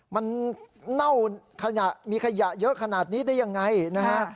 มันเน่าขยะมีขยะเยอะขนาดนี้ได้ยังไงนะฮะ